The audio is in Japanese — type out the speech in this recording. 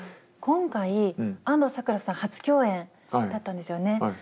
今回安藤サクラさん初共演だったんですよね。